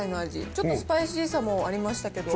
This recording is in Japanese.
ちょっとスパイシーさもありましたけど。